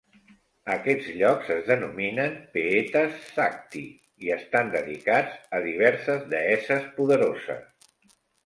Aquests llocs es denominen peethas shakti i estan dedicats a diverses deesses poderoses.